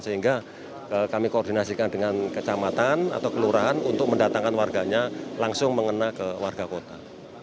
jadi ini juga kami koordinasikan dengan kecamatan atau kelurahan untuk mendatangkan warganya langsung mengenai ke warga kota